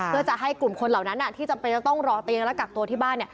เพื่อจะให้กลุ่มคนเหล่านั้นที่จำเป็นจะต้องรอเตียงและกักตัวที่บ้าน